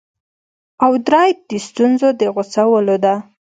او درایت د ستونزو د غوڅولو ده